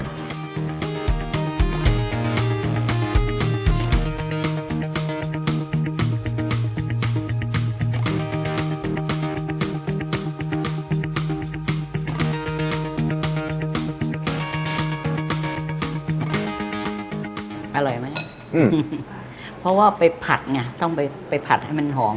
อร่อยไหมเพราะว่าไปผัดไงต้องไปผัดให้มันหอม